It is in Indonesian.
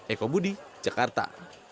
eko budi jakarta